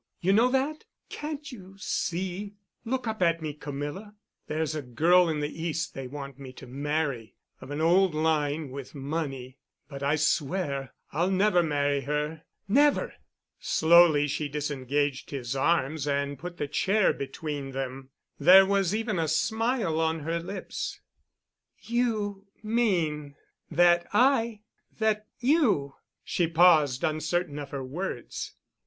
You know that? Can't you see? Look up at me, Camilla. There's a girl in the East they want me to marry—of an old line with money—but I swear I'll never marry her. Never!" Slowly she disengaged his arms and put the chair between them. There was even a smile on her lips. "You mean—that I—that you——" She paused, uncertain of her words.